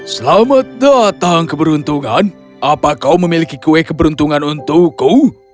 selamat datang keberuntungan apa kau memiliki kue keberuntungan untukku